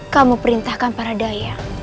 kamu perintahkan para daya